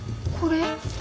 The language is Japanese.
これ？